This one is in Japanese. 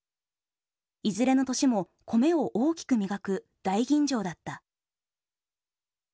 いずれの年も米を大きく磨く大吟醸だった。